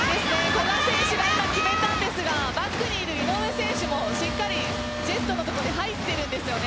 古賀選手が今決めたんですがバックにいる井上選手もしっかりジェットのところに入っているんですよね。